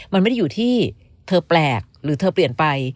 มันไม่ได้อยู่ที่เธอแปลกหรือเธอเปลี่ยนไป